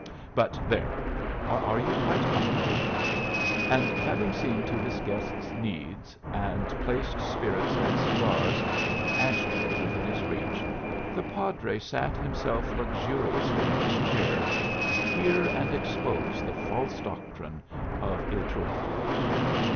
But there! Are you quite comfortable?" And having seen to his guest's needs, and placed spirits and cigars and an ash tray within his reach, the padre sat himself luxuriously in his chair to hear and expose the false doctrine of "Il Trovatore."